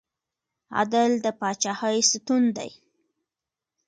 عدل د پاچاهۍ ستون دی